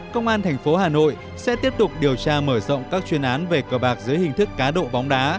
công an thành phố hà nội sẽ tiếp tục điều tra mở rộng các chuyên án về cờ bạc dưới hình thức cá độ bóng đá